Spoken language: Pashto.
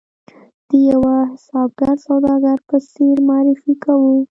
د یوه حسابګر سوداګر په څېر معرفي کاوه.